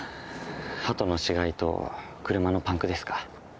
ハトの死骸と車のパンクですか。